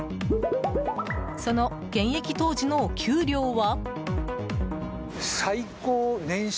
その現役当時の、お給料は？